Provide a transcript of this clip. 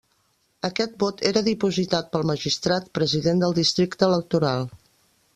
Aquest vot era dipositat pel magistrat president del districte electoral.